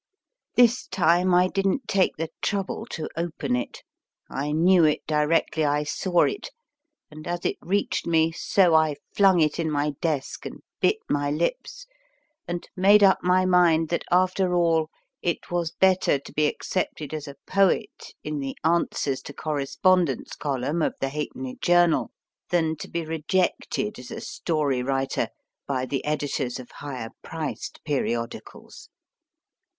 This time I didn t take the trouble to open it. I knew it directly I saw it, and as it reached me so I flung it in my desk and bit my lips, and made up my mind that after all it was better to be accepted as a poet in the * Answers to Correspondents column of the Halfpenny Journal than to be rejected as a story writer by the edi tors of higher priced periodicals.